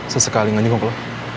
sesekali ngejenguk lo